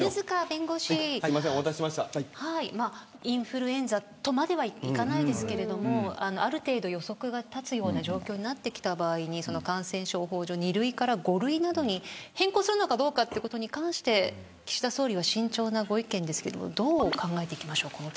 インフルエンザとまではいかないですけれどもある程度予測が立つような状況になってきた場合に感染症法上２類から５類などに変更するのかどうかっていうことに関して岸田総理は慎重なご意見ですけどどう考えていきましょう